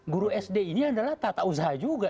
guru sd ini adalah tata usaha juga